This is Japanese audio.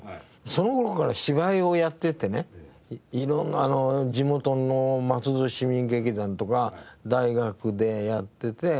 その頃から芝居をやっててね色んなあの地元の松戸市民劇団とか大学でやってて。